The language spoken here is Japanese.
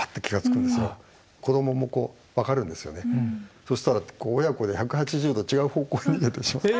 そしたら親子で１８０度違う方向に逃げてしまって。